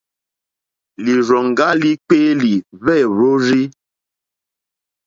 Lírzòŋgá líkpéélì wêhwórzí.